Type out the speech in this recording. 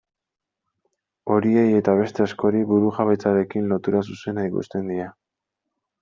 Horiei eta beste askori burujabetzarekin lotura zuzena ikusten die.